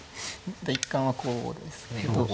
第一感はこうですね。